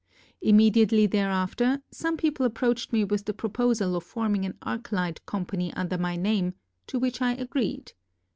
Immediately thereafter some people ap proached me with the proposal of forming an arc light company under my name, to which I agreed.